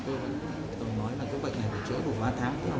tôi nói là cái bệnh này phải chữa đủ ba tháng